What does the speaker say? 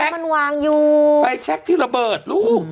มันวางอยู่ไฟแชคที่ระเบิดลูก